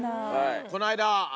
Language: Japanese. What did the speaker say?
この間。